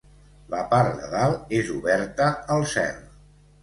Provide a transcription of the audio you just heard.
La part de dalt és oberta al cel.